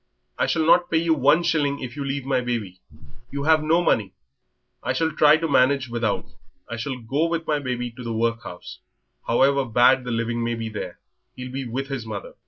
"I shall not pay you one shilling if you leave my baby. You have no money." "I shall try to manage without. I shall go with my baby to the workhouse. However bad the living may be there, he'll be with his mother."